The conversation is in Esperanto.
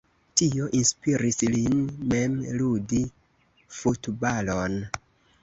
Tio inspiris lin mem ludi futbalon.